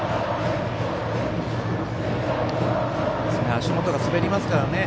足元が滑りますからね